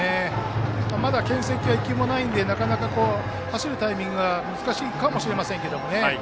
まだけん制球が１球もないので走るタイミングが難しいかもしれませんが。